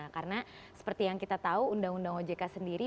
karena seperti yang kita tahu undang undang ojk sendiri